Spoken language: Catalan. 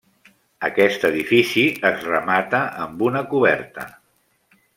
Aquest edifici es remata amb una coberta.